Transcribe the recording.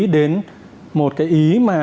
đến một cái ý mà